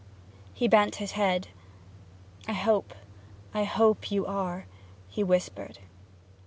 He bent his head. 'I hope, I hope you are,' he whispered.